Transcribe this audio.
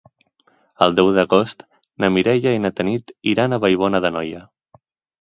El deu d'agost na Mireia i na Tanit iran a Vallbona d'Anoia.